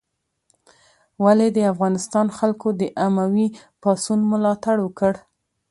ولې د افغانستان خلکو د اموي پاڅون ملاتړ وکړ؟